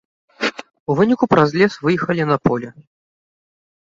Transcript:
У выніку праз лес выехалі на поле.